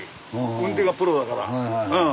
運転がプロだからうん。